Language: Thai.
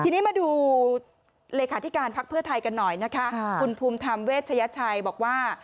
ทีนี้มาดูเลขาธิการพักเพื่อไทยกันหน่อยนะคะคุณภูมิธรรมเวชยชัยบอกว่า